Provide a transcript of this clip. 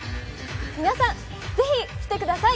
皆さんぜひ来てください！